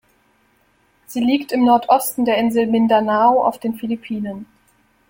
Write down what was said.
Sie liegt im Nordosten der Insel Mindanao auf den Philippinen.